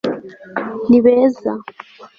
ni beza